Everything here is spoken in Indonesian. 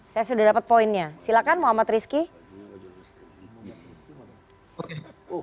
saya sudah dapat poinnya silakan muhammad rizky